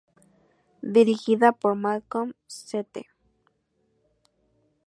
Dirigida por Malcolm St.